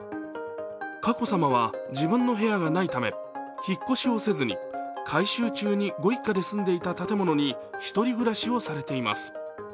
佳子さまは自分の部屋がないため引っ越しをせずに改修中にご一家で住んでいた建物に１人暮らしをされています。